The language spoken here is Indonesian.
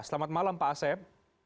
selamat malam pak asep